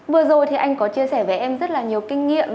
vừa rồi thì anh có chia sẻ với em rất là nhiều kinh nghiệm